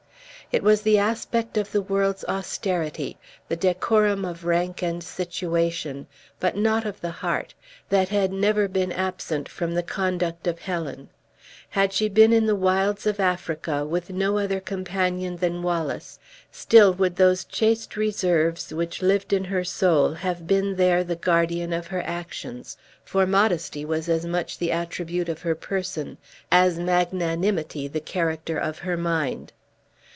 It was the aspect of the world's austerity, the decorum of rank and situation but not of the heart that had never been absent from the conduct of Helen; had she been in the wilds of Africa, with no other companion than Wallace, still would those chaste reserves which lived in her soul have been there the guardian of her actions, for modesty was as much the attribute of her person, as magnanimity the character of her mind.